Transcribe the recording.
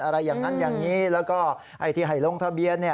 อะไรอย่างนั้นอย่างนี้แล้วก็ไอ้ที่ให้ลงทะเบียน